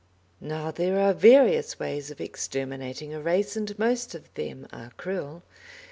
Now there are various ways of exterminating a race, and most of them are cruel.